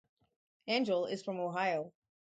Engel is from Ohio.